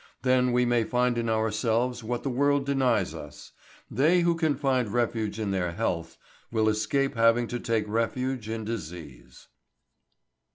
Then we may find in ourselves what the world denies us. They who can find refuge in their health will escape having to take refuge in disease.